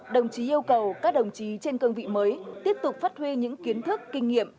đồng chí yêu cầu các đồng chí trên cương vị mới tiếp tục phát huy những kiến thức kinh nghiệm